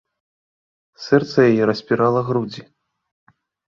Сэрца яе распірала грудзі.